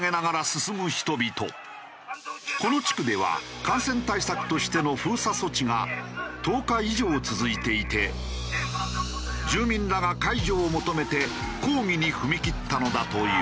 この地区では感染対策としての封鎖措置が１０日以上続いていて住民らが解除を求めて抗議に踏み切ったのだという。